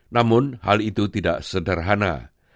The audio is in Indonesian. namun hal itu tidak sederhana